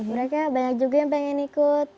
mereka banyak juga yang pengen ikut